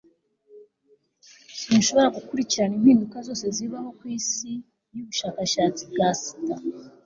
Sinshobora gukurikirana impinduka zose zibaho kwisi yubushakashatsi bwa sida